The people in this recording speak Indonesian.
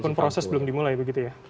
walaupun proses belum dimulai begitu ya